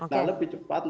nah lebih cepat